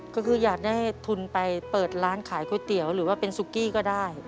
ก็คืออยากได้ทุนไปเปิดร้านขายก๋วยเตี๋ยวหรือว่าเป็นซุกี้ก็ได้